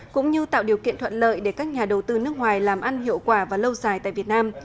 cũng như tạo điều kiện thuận lợi để các nhà đầu tư nước ngoài làm ăn hiệu quả và lâu dài tại việt nam